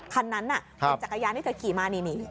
คันนั้นเป็นจักรยานที่เธอขี่มานี่